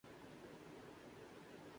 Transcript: پاکستان کے شہروں اوردیہات میں بہت فاصلہ ہے۔